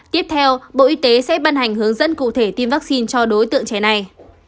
tiếp theo bộ y tế sẽ ban hành hướng dẫn cụ thể tiêm vaccine cho đối tượng trẻ này